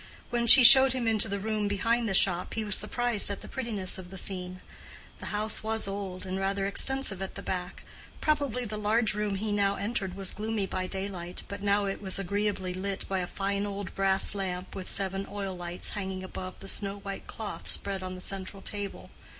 When she showed him into the room behind the shop he was surprised at the prettiness of the scene. The house was old, and rather extensive at the back: probably the large room he now entered was gloomy by daylight, but now it was agreeably lit by a fine old brass lamp with seven oil lights hanging above the snow white cloth spread on the central table.